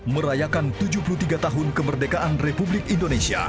merayakan tujuh puluh tiga tahun kemerdekaan republik indonesia